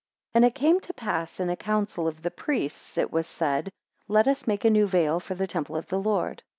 AND it came to pass, in a council of the priests, it was said, Let us make a new veil for the temple of the Lord.